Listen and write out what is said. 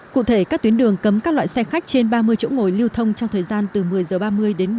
cụ thể các tuyến đường cấm các loại xe khách trên ba mươi chỗ ngồi lưu thông trong thời gian từ một mươi h ba mươi đến một mươi h